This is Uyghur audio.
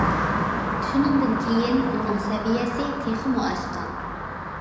شۇنىڭدىن كېيىن ئۇنىڭ سەۋىيەسى تېخىمۇ ئاشقان.